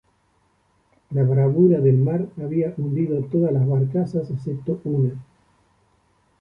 La bravura del mar había hundido todas las barcazas excepto una.